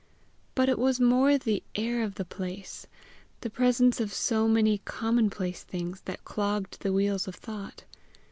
But it was more the air of the place, the presence of so many common place things, that clogged the wheels of thought.